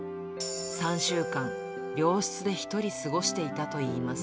３週間、病室で一人過ごしていたといいます。